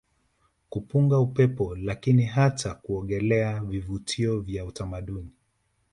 kupunga upepo lakini hata kuogelea Vivutio vya utamaduni